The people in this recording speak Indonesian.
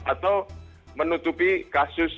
atau menutupi kasus